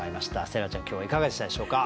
星来ちゃん今日はいかがでしたでしょうか？